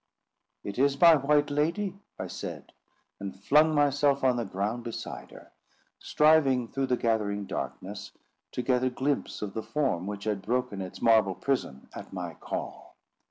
"It is my white lady!" I said, and flung myself on the ground beside her; striving, through the gathering darkness, to get a glimpse of the form which had broken its marble prison at my call.